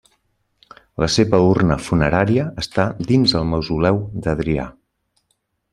La seva urna funerària està dins el mausoleu d'Adrià.